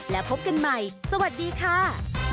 และพบกันใหม่สวัสดีค่ะ